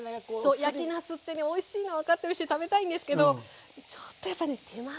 そう焼きなすってねおいしいのは分かってるし食べたいんですけどちょっとやっぱね手間が。